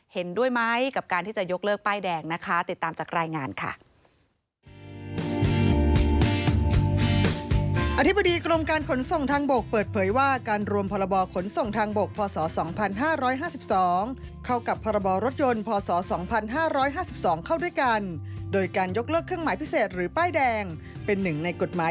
เห็นด้วยไหมกับการที่จะยกเลิกป้ายแดงนะคะ